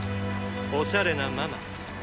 おしゃれなママ。